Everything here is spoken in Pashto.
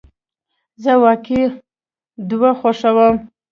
زه واقعی دوی خوښوم